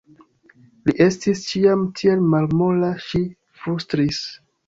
Li estis ĉiam tiel malmola, ŝi flustris.